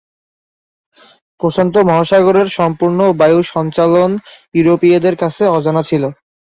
প্রশান্ত মহাসাগরের সম্পূর্ণ বায়ু সঞ্চালন ইউরোপীয়দের কাছে অজানা ছিল।